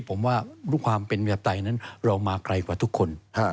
ผมว่าด้วยความเป็นประชาปไตยนั้นเรามาไกลกว่าทุกคน